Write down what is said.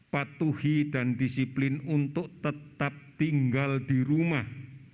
patuhi dan disiplin untuk tetap tinggal di rumah